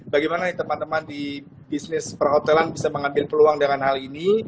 bagaimana teman teman di bisnis perhotelan bisa mengambil peluang dengan hal ini